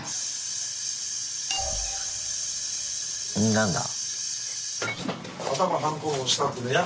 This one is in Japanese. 何だ？